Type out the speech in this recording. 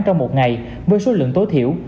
trong một ngày với số lượng tối thiểu